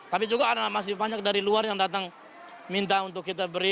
tapi juga ada masih banyak dari luar yang datang minta untuk kita beri